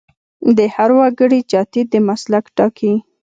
د هر وګړي جاتي د مسلک ټاکي.